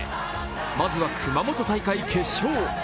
まずは熊本大会決勝。